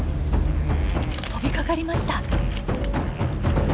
飛びかかりました。